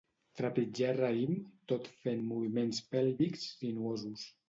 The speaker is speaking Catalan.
Trepitjar raïm tot fent moviments pèlvics sinuosos.